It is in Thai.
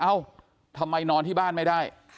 เอ้าทำไมนอนที่บ้านไม่ได้